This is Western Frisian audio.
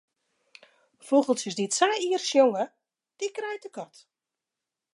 Fûgeltsjes dy't sa ier sjonge, dy krijt de kat.